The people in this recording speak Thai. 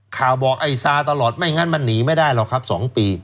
ข่าวบอกไอ้ซาตลอดไม่งั้นมันหนีไม่ได้หรอกครับ๒ปี